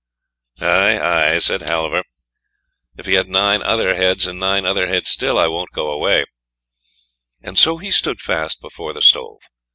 "Aye, aye," said Halvor, "if he had nine other heads, and nine other heads still, I won't go away," and so he stood fast before the stove.